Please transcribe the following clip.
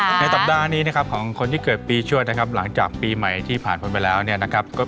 ในสัปดาห์นี้ของคนที่เกิดปีชวนหลังจากปีใหม่ที่ผ่านไปแล้วนะครับ